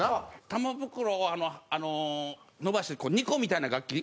玉袋を伸ばして二胡みたいな楽器。